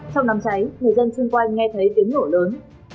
trong đám cháy người dân xung quanh nghe thấy tiếng nổ lớn